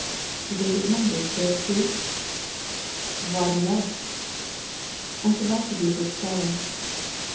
"Do they get numbers there too?" "Why do you ask?" "I should like to be a good scholar."